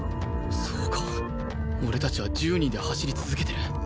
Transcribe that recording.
そうか俺たちは１０人で走り続けてる